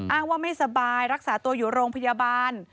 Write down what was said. อ้างว่าไม่สบายรักษาตัวอยู่โรงพยาบาล